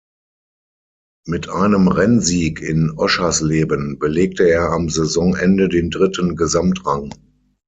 Mit einem Rennsieg in Oschersleben belegte er am Saisonende den dritten Gesamtrang.